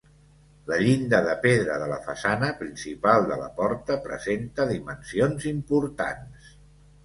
La llinda de pedra de la façana principal de la porta presenta dimensions importants.